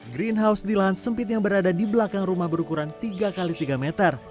greenhouse di lahan sempit yang berada di belakang rumah berukuran tiga x tiga meter